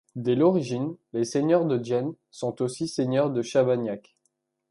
Dès l'origine, les seigneurs de Dienne sont aussi seigneurs de Chavagnac.